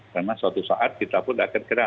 karena suatu saat kita pun akan kena